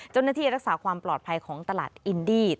เจ้าหน้าที่รักษาความปลอดภัยของตลาดอินดี้